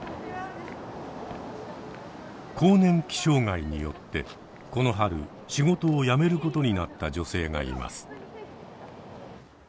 更年期障害によってこの春仕事を辞めることになった女性がいます。